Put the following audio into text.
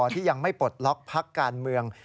ที่ยังไม่ปลดล็อกพักการเมือง